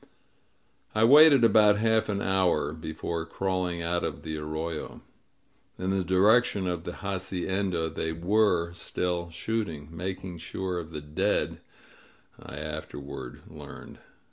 I waited about half an hour before crawling out of the arroyo. In the direction of the hacienda they nf^re still shooting— ^making sure of the dead, I afterward learned.